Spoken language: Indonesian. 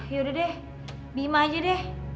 yaudah deh bima aja deh